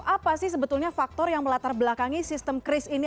apa sih sebetulnya faktor yang melatar belakangi sistem kris ini